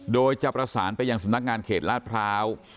โดยจะประสานไปยังสำนักงานเขตลาดพร้าว